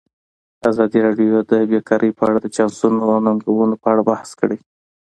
ازادي راډیو د بیکاري په اړه د چانسونو او ننګونو په اړه بحث کړی.